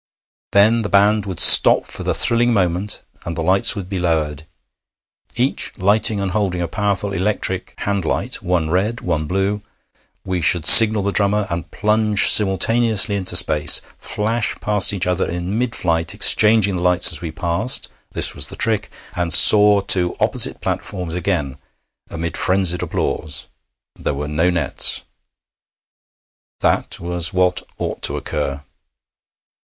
Then the band would stop for the thrilling moment, and the lights would be lowered. Each lighting and holding a powerful electric hand light one red, one blue we should signal the drummer and plunge simultaneously into space, flash past each other in mid flight, exchanging lights as we passed (this was the trick), and soar to opposite platforms again, amid frenzied applause. There were no nets. That was what ought to occur.